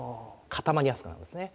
固まりやすくなるんですね。